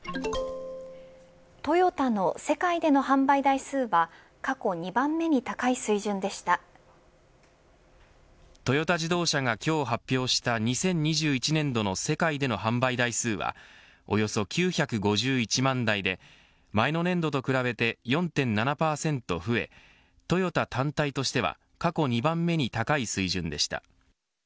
トヨタの世界での販売台数はトヨタ自動車が今日発表した２０２１年度の世界での販売台数はおよそ９５１万台で前の年度と比べて４．７％増えトヨタ単体としては過去２番目に高い水準でした。